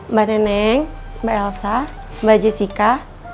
mbak neneng mbak elsa mbak jessica